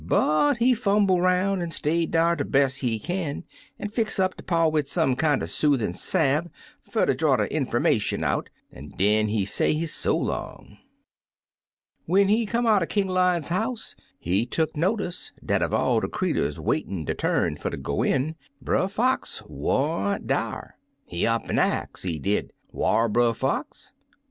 But he fumble 'roun' an' stayed dar de best he kin, an' fix up de paw wid some kinder soothin' salve fer ter draw de infermation out, an' den he say his so long. "When he come outen King Lion's house, he tuck notice dat uv all de creeturs waitin' der turn fer ter go in. Brer Fox wa'n't dar. He up an' ax, he did, *Whar Brer Fox?'